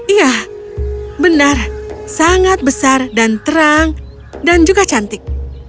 iya benar sangat besar dan terang dan juga cantik